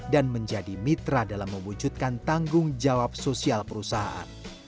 dan menjadi mitra dalam memujudkan tanggung jawab sosial perusahaan